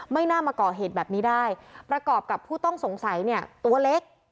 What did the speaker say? ไม่น่ามาก่อเหตุแบบนี้ได้ประกอบกับผู้ต้องสงสัยเนี่ยตัวเล็ก